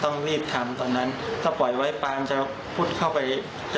ต้องรีบทำตอนนั้นถ้าปล่อยไว้ปานจะพุดเข้าไป